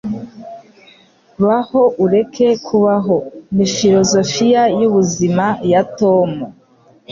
Baho ureke kubaho, ni filozofiya yubuzima ya Tom.